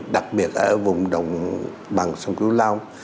đặc biệt ở vùng đồng bằng sông cứu lương